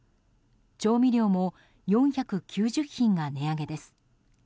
調味料も４９０品が値上げです。